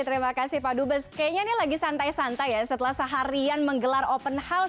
terima kasih pak dubes kayaknya ini lagi santai santai ya setelah seharian menggelar open house